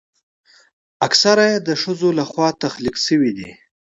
اکثره یې د ښځو لخوا تخلیق شوي دي.